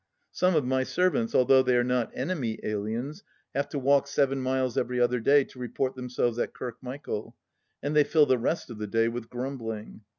Some of my servants, although they are not enemy aliens, have to walk seven miles every other day to report themselves at Kirkmichael, and they fill the rest of the day with grumbling.